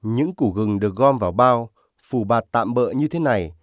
những củ gừng được gom vào bao phủ bạt tạm bỡ như thế này